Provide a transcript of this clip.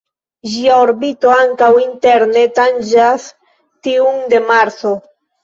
Ĝia orbito ankaŭ interne tanĝas tiun de Marso.